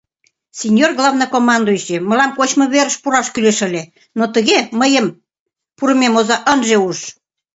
— Синьор главнокомандующий, мылам кочмыверыш пураш кӱлеш ыле, но тыге: мыйын пурымем оза ынже уж.